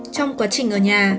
trong quá trình ở nhà